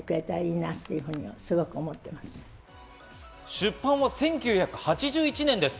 出版は１９８１年です。